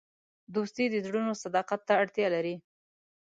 دوستي د زړونو صداقت ته اړتیا لري.